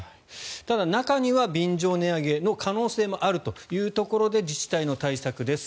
ただ中には便乗値上げの可能性もあるというところで自治体の対策です。